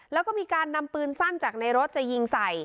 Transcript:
แล้วก็มีการนำปืนสั้นจากในรถจะยิงใส่